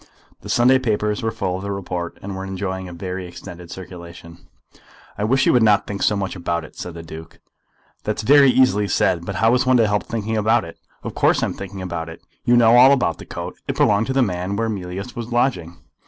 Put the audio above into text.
The Sunday papers were full of the report, and were enjoying a very extended circulation. "I wish you would not think so much about it," said the Duke. "That's very easily said, but how is one to help thinking about it? Of course I am thinking about it. You know all about the coat. It belonged to the man where Mealyus was lodging."